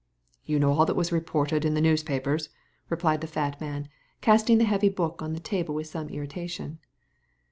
''You know all that was reported in the news* papers," replied the fat man, casting the heavy book on the table with some irritation.